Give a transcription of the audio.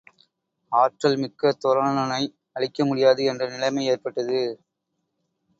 ஆற்றல் மிக்க துரோணனை அழிக்க முடியாது என்ற நிலைமை ஏற்பட்டது.